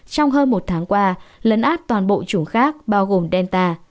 trong hơn một tháng qua lấn át toàn bộ chủng khác bao gồm delta